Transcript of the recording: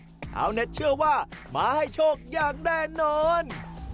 ชาวเน็ตเชื่อว่ามาให้โชคอย่างแน่นอน